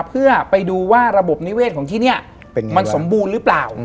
เพื่อไปดูว่าระบบนิเวศของที่นี่มันสมบูรณ์หรือเปล่า